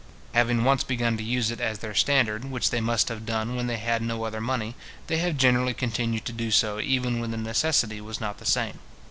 Having once begun to use it as their standard, which they must have done when they had no other money, they have generally continued to do so even when the necessity was not the same.